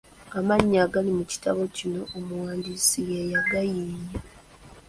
Amannya agali mu kitabo kino omuwandiisi ye yagayiiya.